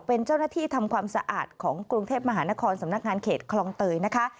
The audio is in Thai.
เป็นเจ้าหน้าที่ทำความสะอาดของกรุงเทพมหานครสำนักงานเขตคลองเตยนะคะ